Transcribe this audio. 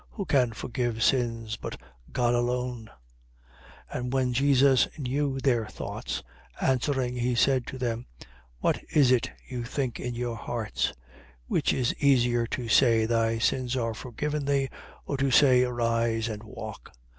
Who can forgive sins, but God alone? 5:22. And when Jesus knew their thoughts, answering he said to them: What is it you think in your hearts? 5:23. Which is easier to say: Thy sins are forgiven thee; or to say: Arise and walk?